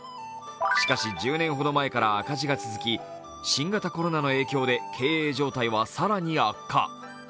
しかし１０年ほど前から赤字が続き、新型コロナの影響で経営状況は更に悪化。